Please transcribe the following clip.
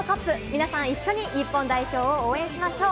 皆さん一緒に日本代表を応援しましょう。